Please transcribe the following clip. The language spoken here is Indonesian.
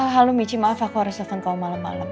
halo meeci maaf aku harus dateng ke kamu malem malem